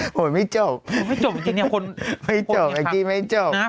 โอ้โฮไม่จบไม่จบจริงเนี่ยคนไม่จบแบบนี้ไม่จบนะ